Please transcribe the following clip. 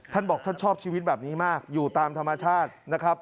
ท่านบอกท่านชอบชีวิตแบบนี้มากอยู่ตามธรรมชาตินะครับ